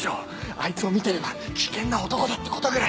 あいつを見てれば危険な男だってことぐらい。